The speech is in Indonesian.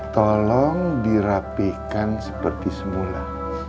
tolong dirapihkan seperti semula